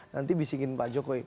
nanti bisingin pak jokowi